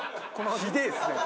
ひでえっすね。